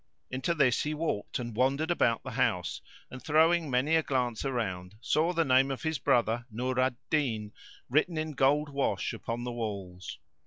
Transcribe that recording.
Into this he walked and wandered about the house and, throwing many a glance around, saw the name of his brother, Nur al Din, written in gold wash upon the walls.